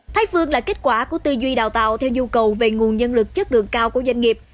thái phương là kết quả của tư duy đào tạo theo nhu cầu về nguồn nhân lực chất lượng cao của doanh nghiệp